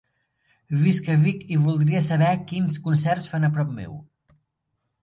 Visc a Vic i voldria saber quins concerts fan a prop meu.